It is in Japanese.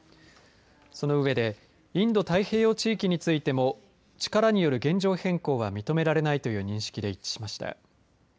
その上でインド太平洋地域についても力による現状変更は認められないという認識で一致しました。